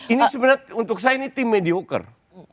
ini sebenarnya untuk saya ini tim mediuker